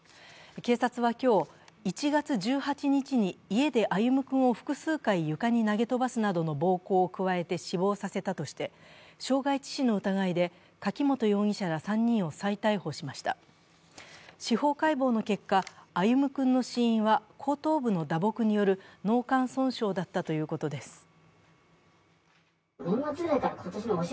警察は今日、１月１８日に家で歩夢君を複数回、床に投げ飛ばすなどの暴行を加えて死亡させたとして、傷害致死の疑いで柿本容疑者ら３人を再逮捕しました司法解剖の結果、歩夢君の死因は後頭部の打撲による脳幹損傷だったということです。